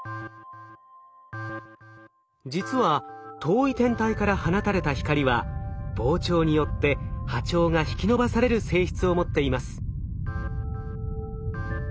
実は遠い天体から放たれた光は膨張によって波長が引き伸ばされる性質を持っています。